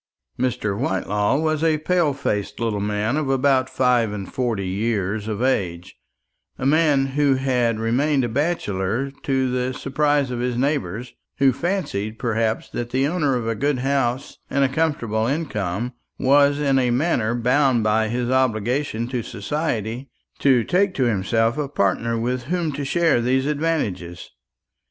Mr. Whitelaw was a pale faced little man of about five and forty years of age; a man who had remained a bachelor to the surprise of his neighbours, who fancied, perhaps, that the owner of a good house and a comfortable income was in a manner bound by his obligation to society to take to himself a partner with whom to share these advantages.